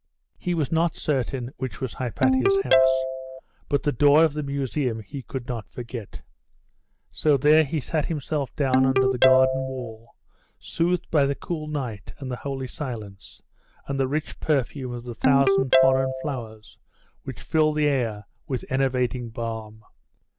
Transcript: He was not certain which was Hypatia's house; but the door of the Museum he could not forget. So there he sat himself down under the garden wall, soothed by the cool night, and the holy silence, and the rich perfume of the thousand foreign flowers which filled the air with enervating balm.